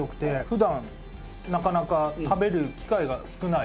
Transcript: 普段なかなか食べる機会が少ない。